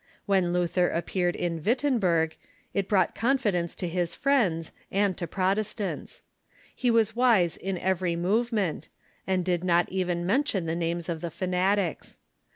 When Luther appeared in Wittenberg it brought confidence to his friends, and to Protestants. He was wise in every movement, and did not even mention the names of the fanatics.